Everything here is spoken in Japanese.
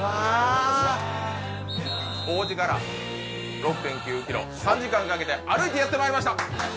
王子から６．９キロ３時間かけて歩いてやってまいりました